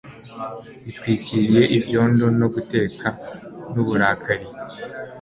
bitwikiriye ibyondo no guteka n'uburakari